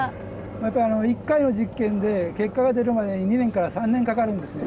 また１回の実験で結果が出るまで２年から３年かかるんですね。